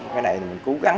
cái này mình cố gắng